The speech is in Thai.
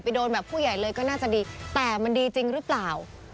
โดนแบบผู้ใหญ่เลยก็น่าจะดีแต่มันดีจริงหรือเปล่า